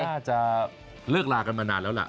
น่าจะเลิกลากันมานานแล้วล่ะ